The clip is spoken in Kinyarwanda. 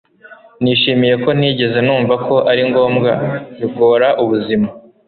nishimiye ko ntigeze numva ko ari ngombwa, bigora ubuzima